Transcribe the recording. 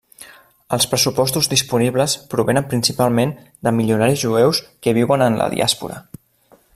Els pressupostos disponibles provenen principalment de milionaris jueus que viuen en la diàspora.